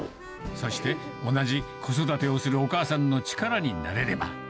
そして同じ子育てをするお母さんの力になれれば。